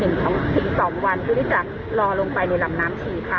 คือได้จัดรอลงไปในลำน้ำฉี่ค่ะ